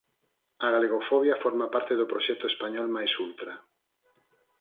A galegofobia forma parte do proxecto español máis ultra.